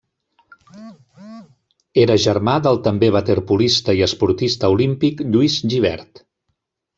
Era germà del també waterpolista i esportista olímpic Lluís Gibert.